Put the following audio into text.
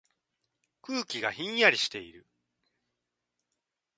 空気がひんやりしている。